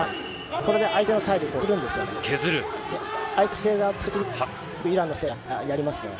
これで相手の体力を削るんですよね。